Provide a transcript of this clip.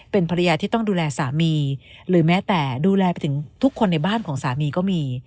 เป็นภรรยาที่ต้องดูแลสามีหรือแม้แต่ดูแลไปถึงทุกคนในบ้านของสามีก็มี